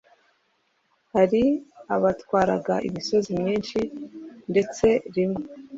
Hari abatwaraga imisozi myinshi ndetse rimwe